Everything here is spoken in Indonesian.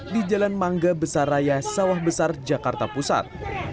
di jalan mangga besar raya sawah besar jakarta pusat